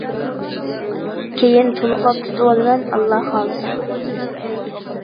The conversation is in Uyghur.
كېيىن تولۇقلاپ تۇتۇۋالىمەن ئاللاھ خالىسا!